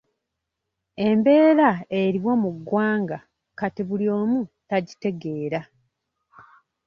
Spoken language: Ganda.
Embeera eriwo mu ggwanga kati buli omu tagitegeera.